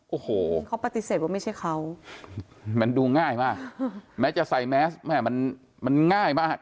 โอ้โหเขาปฏิเสธว่าไม่ใช่เขามันดูง่ายมากแม้จะใส่แมสแม่มันง่ายมาก